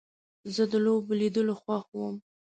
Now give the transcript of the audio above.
زه د لوبو لیدل خوښوم.